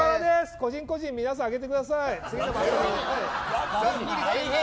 個人個人で皆さんあげてください。